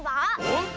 ほんと？